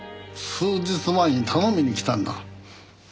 数日前に頼みに来たんだ。